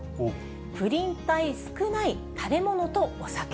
プリン体少ない、食べ物とお酒。